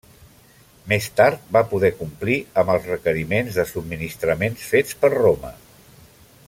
Més tard va poder complir amb els requeriments de subministraments fets per Roma.